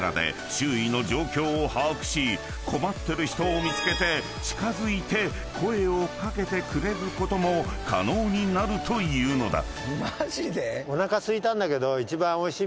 ［困ってる人を見つけて近づいて声を掛けてくれることも可能になるというのだ］